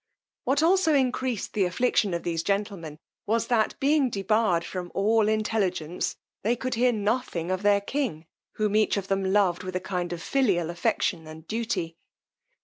What also increased the affliction of these gentlemen, was, that being debarred from all intelligence, they could hear nothing of their king, whom each of them loved with a kind of filial affection and duty.